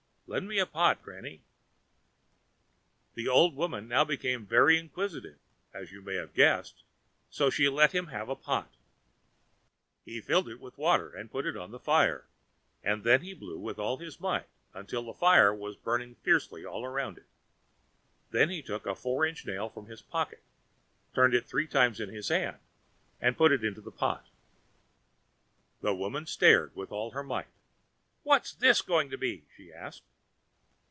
Lend me a pot, granny!" The old woman now became very inquisitive, as you may guess, and so she let him have a pot. He filled it with water and put it on the fire, and then he blew with all his might till the fire was burning fiercely all round it. Then he took a four inch nail from his pocket, turned it three times in his hand, and put it into the pot. The woman stared with all her might. "What's this going to be?" she asked.